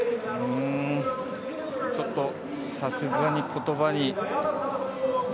ちょっとさすがにことばに。